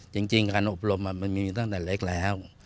จริงการอบรมมันมีตั้งแต่เล็กแล้ว